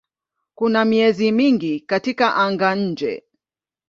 Kuna miezi mingi katika anga-nje.